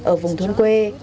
ở vùng thôn quê